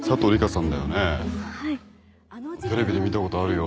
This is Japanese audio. テレビで見たことあるよ。